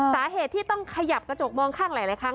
สาเหตุที่ต้องขยับกระจกมองข้างหลายครั้ง